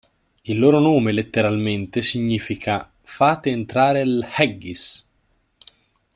Il loro nome letteralmente significa "Fate entrare l'Haggis".